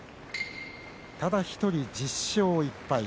ただ１人、１０勝１敗